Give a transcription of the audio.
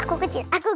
aku kecil aku gede